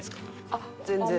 あっ全然。